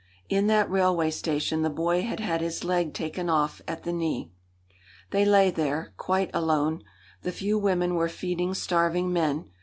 In that railway station the boy had had his leg taken off at the knee. They lay there, quite alone. The few women were feeding starving men.